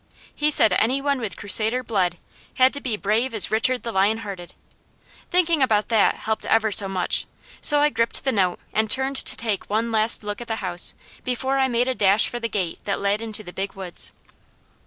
He said any one with Crusader blood had to be brave as Richard the Lion hearted. Thinking about that helped ever so much, so I gripped the note and turned to take one last look at the house before I made a dash for the gate that led into the Big Woods.